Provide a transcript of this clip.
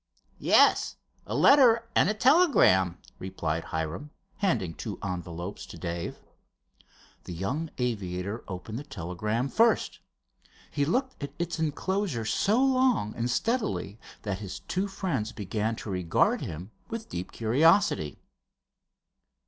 "Yes, a letter and a telegram," replied Hiram, handing two envelopes to Dave. The young aviator opened the telegram first. He looked at its enclosure so long and steadily that his two friends began to regard him with deep curiosity.